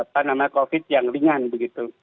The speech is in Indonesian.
panama covid yang ringan begitu